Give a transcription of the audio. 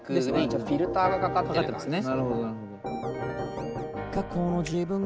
ちょっとフィルターがかかってますね。